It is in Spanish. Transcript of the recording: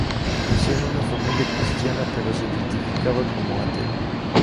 Nació en una familia cristiana, pero se identificaba como ateo.